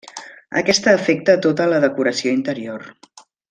Aquesta afecta a tota la decoració interior.